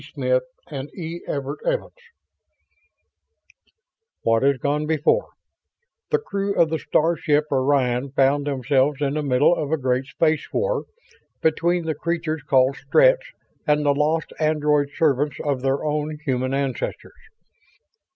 SMITH & E. EVERETT EVANS Illustrated by BERRY _What has gone before: The crew of the starship Orion found themselves in the middle of a great space war between the creatures called Stretts and the lost android servants of their own human ancestors.